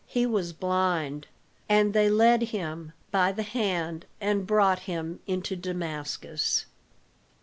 He was blind. And they led him by the hand and brought him into Damascus.